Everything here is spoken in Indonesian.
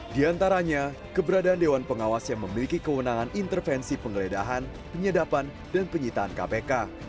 di antaranya keberadaan dewan pengawas yang memiliki kewenangan intervensi penggeledahan penyadapan dan penyitaan kpk